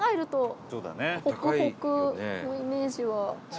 高橋：ホクホクのイメージは。